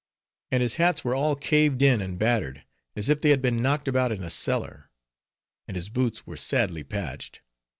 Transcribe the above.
And his hats were all caved in, and battered, as if they had been knocked about in a cellar; and his boots were sadly patched.